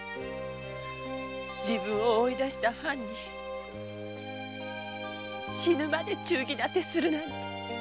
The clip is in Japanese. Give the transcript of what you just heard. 自分を追い出した藩に死ぬまで忠義だてするなんて。